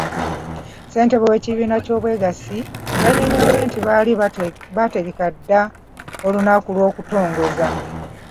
Ssentebe w'ekibiina ky'obwegassi yannyonnyodde nti baali baategeka dda olunaku lw'okutongoza.